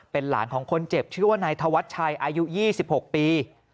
เป็นหลานของคนเจ็บชื่อว่านายธวัชชัยอายุ๒๖ปี